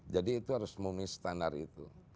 jadi itu harus memenuhi standar itu